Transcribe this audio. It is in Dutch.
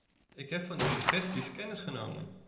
Ik heb van uw suggesties kennis genomen.